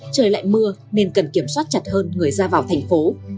trời lại mưa nên cần kiểm soát chặt hơn người ra vào thành phố